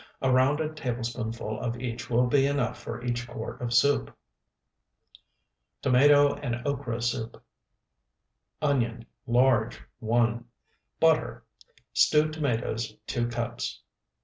A rounded tablespoonful of each will be enough for each quart of soup. TOMATO AND OKRA SOUP Onion, large, 1. Butter. Stewed tomatoes, 2 cups.